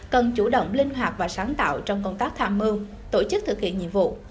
cần chủ động linh hoạt và sáng tạo trong công tác tham mưu tổ chức thực hiện nhiệm vụ